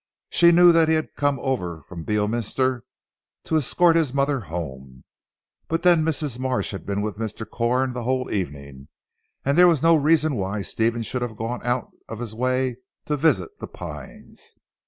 She knew that he had come over from Beorminster to escort his mother home. But then Mrs. Marsh had been with Mr. Corn the whole evening, and there was no reason why Stephen should have gone out of his way to visit "The Pines."